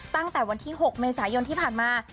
ตั้งแต่วันที่๖เมษายนที่ผ่านมา